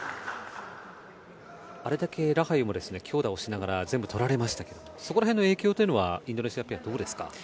あれだけラハユも強打をしながら全部取られましたけどそこら辺の影響というのはインドネシアペア、どうですか？